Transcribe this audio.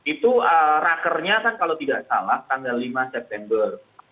itu rakernya kan kalau tidak salah tanggal lima september